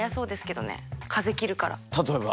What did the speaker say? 例えば？